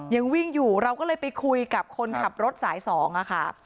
ยังวิ่งอยู่เราก็เลยไปคุยกับคนขับรถสาย๒ค่ะ